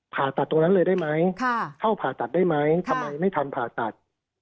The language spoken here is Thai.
ผ่าตัดตรงนั้นเลยได้ไหมเข้าผ่าตัดได้ไหมทำไมไม่ทำผ่าตัด